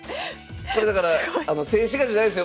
これだから静止画じゃないですよ